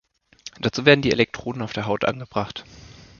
Dazu werden die Elektroden auf der Haut angebracht.